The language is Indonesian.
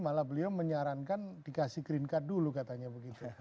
malah beliau menyarankan dikasih green card dulu katanya begitu